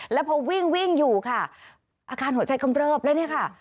แล้วพอวิ่งวิ่งอยู่ค่ะอาการหัวใจกำเริบแล้วเนี่ยค่ะ